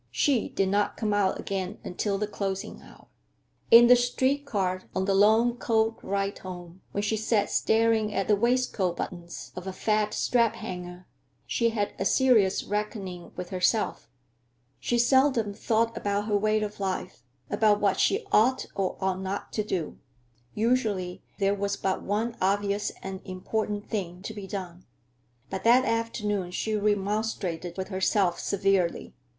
She did not come out again until the closing hour. In the street car, on the long cold ride home, while she sat staring at the waistcoat buttons of a fat strap hanger, she had a serious reckoning with herself. She seldom thought about her way of life, about what she ought or ought not to do; usually there was but one obvious and important thing to be done. But that afternoon she remonstrated with herself severely.